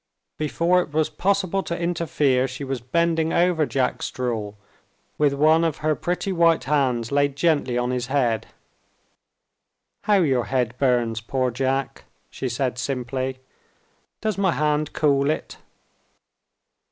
Before it was possible to interfere, she was bending over Jack Straw, with one of her pretty white hands laid gently on his head. "How your head burns, poor Jack!" she said simply. "Does my hand cool it?"